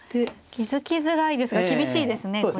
気付きづらいですが厳しいですねこれは。